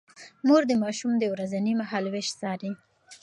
مور د ماشوم د ورځني مهالوېش څاري.